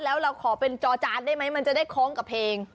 แล้วเราขอเป็นจอจานได้ไหมมันจะได้คล้องกับเพลง